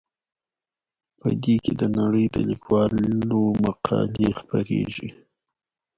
په دې کې د نړۍ د لیکوالو مقالې خپریږي.